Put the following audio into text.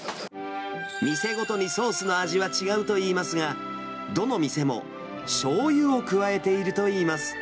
店ごとにソースの味は違うといいますが、どの店もしょうゆを加えているといいます。